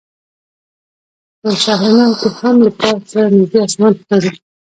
په شهر نو کې هم له پارک سره نژدې اسمان ښکاري.